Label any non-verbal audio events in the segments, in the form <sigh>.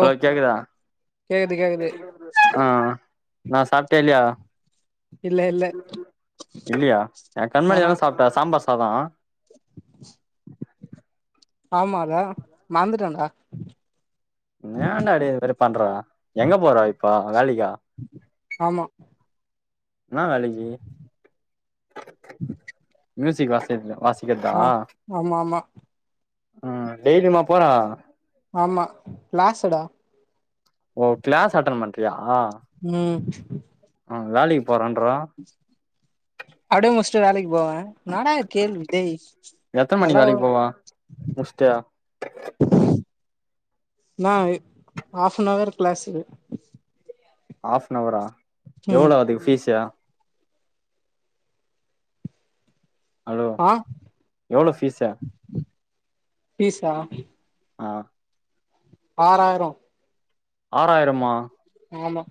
hello கேக்குதா கேக்குது கேக்குது ஆ நா சாப்டே இல்லியா இல்ல இல்ல இல்லியா எ கண்மணி ஆஹா எல்லா சாப்புட்டா சாம்பார் சாதோ ஆமா அதா மறந்துட்டன்டா ஏன்டா டேய் இது மாரி பண்ற எங்க போற இப்போ வேலைக்கா ஆமா என்ன வேலைக்கி மியூசிக் வாசிக் வாசிக்கிறதா ஆ ஆமா ஆமா அ டெய்லியுமா போறா ஆமா கிளேஸ்ஸுடா ஓ கிளாஸ் அட்டன் பண்றியா ம் அவ வேலைக்கு போறன்றா அப்டியே முச்சுட்டு வேலைக்கு போவ என்னாடா இது கேள்வி இதேய் எத்தன நல்லா மணிக்கு வரு வேலைக்கு போவ முட்ஸ்ட்டு நா ஆஃப்பனவர் கிளாஸ்க்கு ஆஃப்னவரா ம் எவ்ளோ அதுக்கு ஃபீஸ்ஸுயா ஹலோ ஆ எவ்ளோ ஃபீஸு பீசா ஆ ஆறாயிரோ ஆறாயிரமா ஆமா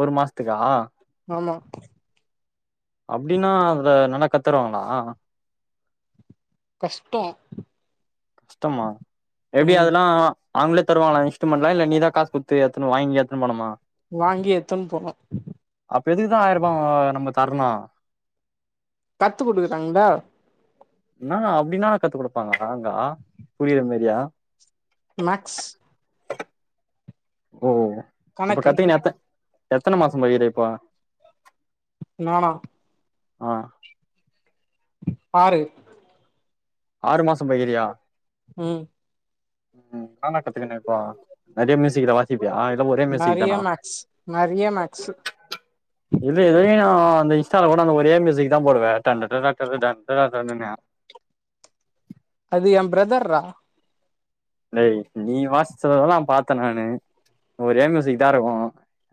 ஒரு மாசத்துக்கா ஆமா அப்டின்னா அதுல்ல நல்லா கத்தருவாங்களா கஷ்டோ கஷ்டமா எப்டி ம் அதுல்லா அவுங்களே தருவாங்களா இன்ஸ்டியூமெண்ட் எல்லா இல்ல நீதா காசு குத்து எத்துனு வாங்கி எத்துனு போண்ணுமா வாங்கி எத்துன் போணு அப்ப எதுக்குதா ஆயிரூபா நம்ம தர்ணு கத்து குடுக்கறாங்கள்ல என்னா அப்டின்னா கத்து குடுப்பாங்களா அங்கா புரிற மாரியா மேக்ஸ் ஓ இப்ப கணக்கு கத்தின் எத்த எத்தன மாசம் போயிரிக்கே இப்போ நானா ஆ ஆறு ஆறு மாசோம் போய்கிறியா ம் ம் நானா கத்துக்கன இப்போ நறையா மியூசிக்லா வாச் சிப்பியா இதெல்லா ஒரே மியூசிக்கு நெறைய தானா மேக்ஸ் நெறைய மேக்ஸு இல்ல இதையு நா அந்த இன்ஸ்டால கூட அந்த ஒரே மியூசிக்குதாம் போடுவ <unintelligible> அது எம் பிரதர்றா லை நீ வாசத்தெல்லா பாத்த நானு ஒரே மியூசிக் தா இருக்கு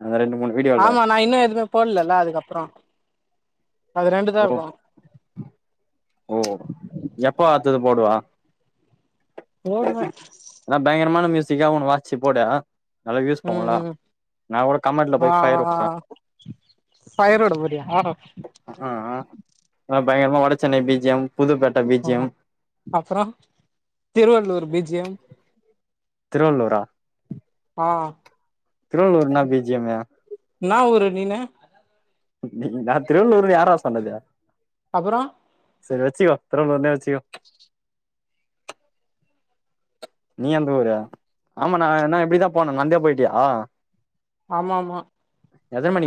அந்த ரெண்டு மூணு வீடியோல ஆமா நா இன்னு எதுமே போட்லல்ல அதுக்கப்றோ அது ரெண்டு தா ஓ இருக்கு ஓ எப்ப அத்தது போடுவ போடுவ த பயங்கரமான மியூசிக்கா ஒண்ணு வாஸ்ச்சு போடு நல்லா வியூஸ் ம் போவுல்ல கூட ம் நா கூட கமெண்ட்ல போய் ஃபயர் உட்ட ஃபயர்உட போரியா அஆ பயங்கரமா வட சென்னை பீ ஜி எம் புதுப்பேட்டை பீ ஜி எம் அப்றோ திருவள்ளூர் பி ஜி எம் திருவள்ளுரா ஆ திருவள்ளூர் என்ன பி ஜி எம்மு என்னா ஊரு நீனு நா திருவள்ளூர் யாரா சொன்னது அப்பறோ சரி வச்சுக்கோ திருவளூர்னே வச்சுக்கோ நீ எந்த ஊரு ஆமா நா நா இப்டிதா போன நந்தே போய்ட்டியா ஆமா ஆமா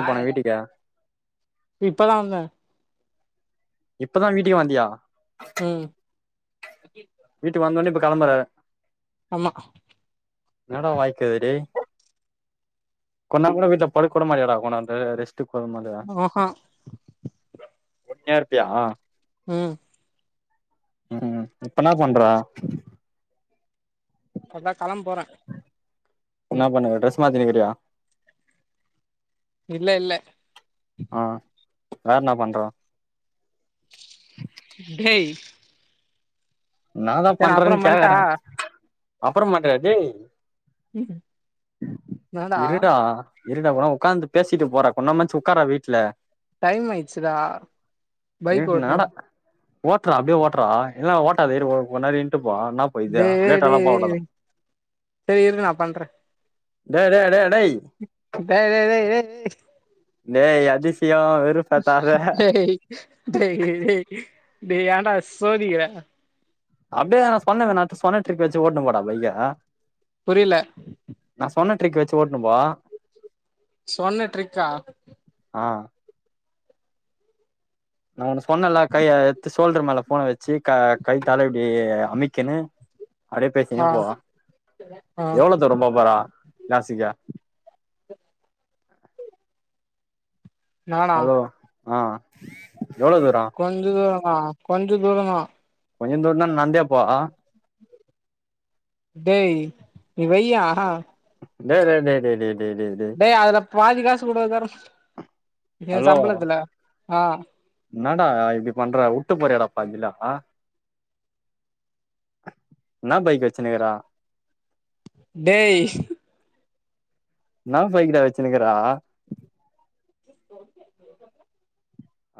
போன வீட்டுக்கு இப்பதா வந்த இப்பதா வீட்டுக்கே வந்தியா ம் வீட்டு வந்தோனே இப்ப கெளம்பற அமா என்னடா வாழ்க்க இது டே கொன்நேரோ கூட வீட்ல படுக்கூட மாட்டியாடா கொன ரெ ரெஸ் ட்டு கொழ மாரியா ஆஹா ஒல்லியா இருப்பியா ம் ம் இப்பனா பண்ற அதா களம் போற என்ன பண்ணுகற ட்ரெஸ் மாத்தினிக்கிறியா இல்ல இல்ல ஆ வேற என்ன பண்றா டேய் இன்னாதா சரி நா அப்புறோ பண்றன்னு பண்ட்டா கேக்கற அப்பற மாட்டு டேய் என்னடா இருடா இருடா போனா உக்காந்து பேசிட்டு போறா கொன்ன மாச்சு உக்காரா வீட்ல டைம் ஆய்ச்சுதா பைக் ஓட்னு என்னடா ஓட்றா அப்டே ஓட்றா இல்ல ஓட்டாது இரு கொஞ்நேரோ இன்ட்டுப்போ என்னாபோயது வே சரி இரு நா பண்ற டேய் டேய் டேய் அடை டேய் டே டே டே டே டேய் அதிசயோ வெறுப்பேத்தாத டேய் டேய் டே டே ஏன்டா சோதிக்கிற அப்டே நா சொன்ன நா சொன்ன ட்ரிக்கு வச்சு ஓட்னு போடா பைய புரில நா சொன்ன ட்ரிக்கு வச்சு ஓட்ணு போ சொன்ன ட்ரிக்கா ஆ நா ஒன்னு சொன்னேல்ல கை எத்து சோல்டரு மேல ஃபோன வச்சு க கைத்தால இப்டி அமிக்கன்னு அப்டியே பேசீன்னே ஆ போவா ஆ எவ்வளோ தூர போப்போறா கிளாசிக்கா நானா ஹலோ ஆ எவ்ளோதூர கொஞ்சோ தூரா கொஞ்சோ தூரந்தா கொஞ்ச தூர்ந்தா நட்ந்தே போ டேய் நீ வையா டே டே டே டே டே டேய் அதுல பாதி காசு கூட தர ஏ ஹலோ சம்பளத்துல ஆ என்னடா இப்டி பண்ற உட்டு போறீயாடா பாதில இன்னா பைக் வச்சுன்னுக்குற டேய் இன்னா பைக்டா வச்சுன்னுக்குற